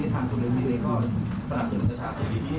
ท่านคุณพุมใจไทยก็สนับสนุนจะถามอย่างนี้